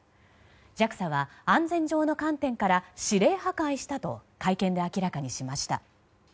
ＪＡＸＡは安全上の観点から指令破壊したと会見で明らかにしました。